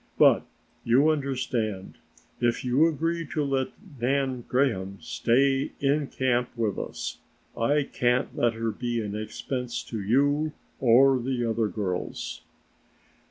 But you understand if you agree to let Nan Graham stay in camp with us, I can't let her be an expense to you or the other girls."